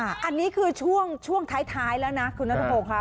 อ่ะอันนี้คือช่วงช่วงท้ายแล้วนะคุณนัฐพูค่ะ